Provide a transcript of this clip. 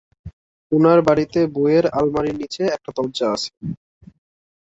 উনার বাড়িতে বইয়ের আলমারির নিচে একটা দরজা আছে।